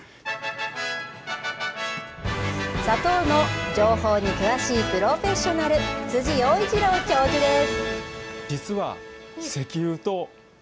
砂糖の情報に詳しいプロフェッショナル辻洋一郎教授です。